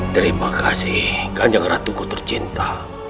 terima kasih kanjeng ratuku tercinta